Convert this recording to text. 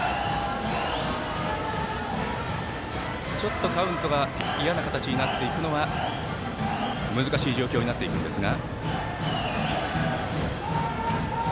ちょっとカウントが嫌な形になっていくのは難しい状況になっていくんですが。